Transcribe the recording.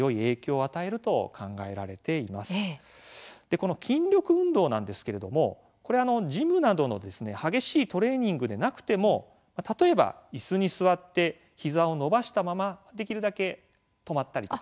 この筋力運動なんですけれどもこれあのジムなどのですね激しいトレーニングでなくても例えば椅子に座って膝を伸ばしたままできるだけ止まったりとかですね。